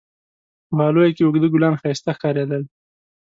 په غالیو کې اوږده ګلان ښایسته ښکارېدل.